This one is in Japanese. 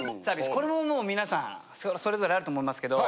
これももう皆さんそれぞれあると思いますけど。